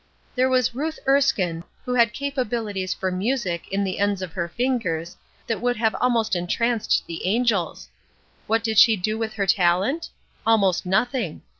There was Ruth Erskine, who had capabilities for music in the ends of her fingers, that would have almost entranced the angels. What did she do with her talent? Almost nothing.